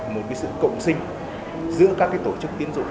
một sự cộng sinh giữa các tổ chức tiến dụng